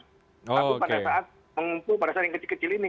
tapi pada saat mengumpul pada saat yang kecil kecil ini